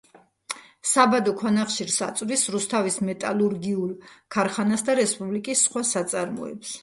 საბადო ქვანახშირს აწვდის რუსთავის მეტალურგიულ ქარხანას და რესპუბლიკის სხვა საწარმოებს.